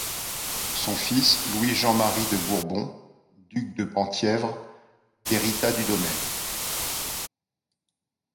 Son fils Louis-Jean-Marie de Bourbon, duc de Penthièvre hérita du domaine.